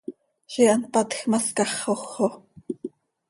Ziix hant cpatj ma scaxoj xo!